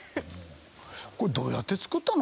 これどうやって作ったの？